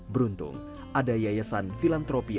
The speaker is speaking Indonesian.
beruntung ada yayasan filantropia